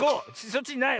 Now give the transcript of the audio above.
そっちにない。